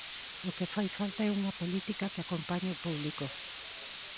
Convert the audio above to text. O que fai falta é unha política que acompañe o público.